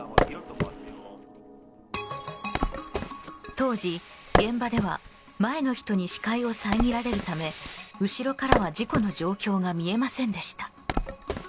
当時、現場では前の人に視界を遮られるため後ろからは事故の状況が見えませんでした。